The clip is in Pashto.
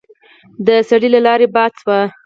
د سړي لاړې باد شوې.